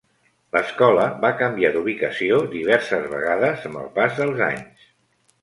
L'escola va canviar d'ubicació diverses vegades amb el pas dels anys.